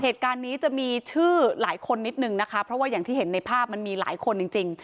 เหตุการณ์นี้จะมีชื่อหลายคนนิดนึงนะคะเพราะว่าอย่างที่เห็นในภาพมันมีหลายคนจริงจริง